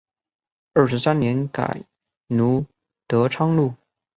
二十三年改隶德昌路。